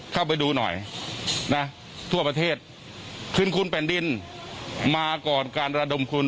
เข้าไปดูหน่อยนะทั่วประเทศคืนคุณแผ่นดินมาก่อนการระดมคุณ